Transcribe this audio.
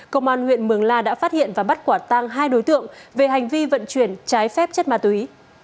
công an huyện mường la đã phát hiện và bắt quả tăng hai đối tượng về hành vi vận chuyển trái phép chất ma túy